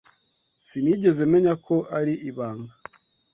Sinigeze menya ko ari ibanga.